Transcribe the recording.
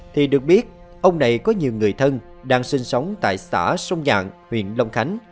thì được biết ông này có nhiều người thân đang sinh sống tại xã sông dạng huyện long khánh